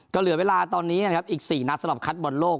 ก็เหลือเวลาตอนนี้นะครับอีก๔นัดสำหรับคัดบอลโลก